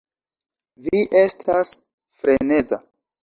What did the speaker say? Vi estas freneza!